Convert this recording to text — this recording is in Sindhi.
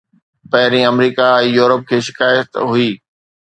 پهرين، آمريڪا ۽ يورپ کي شڪايت هئي.